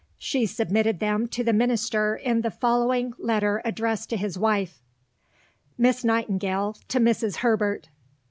She submitted them to the Minister in the following letter addressed to his wife: (Miss Nightingale to Mrs. Herbert.)